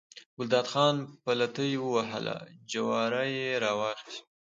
ګلداد خان پلتۍ ووهله، جواری یې راواخیست.